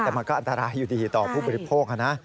แต่มันก็อันตรายอยู่ดีต่อผู้บริโภคนะ